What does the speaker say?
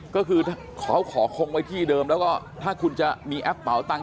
ก็คือเขาขอคงไว้ที่เดิมแล้วก็ถ้าคุณจะมีแอปเป่าตัง